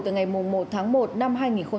từ ngày một tháng một năm hai nghìn hai mươi